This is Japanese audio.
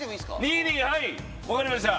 ２２はい分かりました